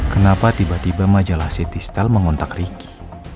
kenapa tiba tiba majalah city style mengontak ricky